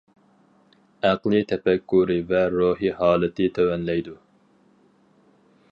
ئەقلىي تەپەككۇرى ۋە روھىي ھالىتى تۆۋەنلەيدۇ.